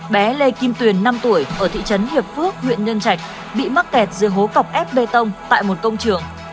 bé lê kim tuyền năm tuổi ở thị trấn hiệp phước huyện nhân trạch bị mắc kẹt dưới hố cọc ép bê tông tại một công trường